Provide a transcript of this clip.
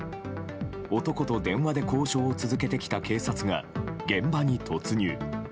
男と電話で交渉を続けてきた警察が、現場に突入。